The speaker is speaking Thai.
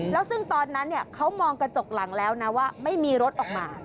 แล้วซึ่งตอนนั้นเขามองกระจกหลังแล้วนะว่าไม่มีรถออกมา